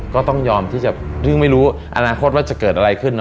ก็ต้องยอมที่จะซึ่งไม่รู้อนาคตว่าจะเกิดอะไรขึ้น